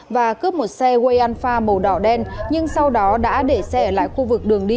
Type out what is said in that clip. và cướp một xe wayanfa màu đỏ đen nhưng sau đó đã để xe ở lại khu vực đường đi